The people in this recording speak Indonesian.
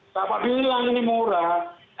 siapa bilang ini murah